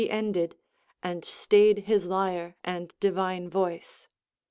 He ended, and stayed his lyre and divine voice.